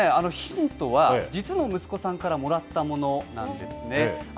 ヒントは、実の息子さんからもらったものなんですね。